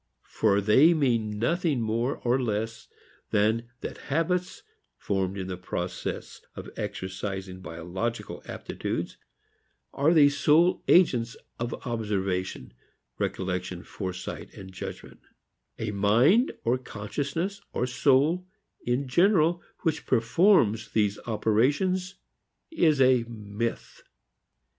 For they mean nothing more or less than that habits formed in process of exercising biological aptitudes are the sole agents of observation, recollection, foresight and judgment: a mind or consciousness or soul in general which performs these operations is a myth.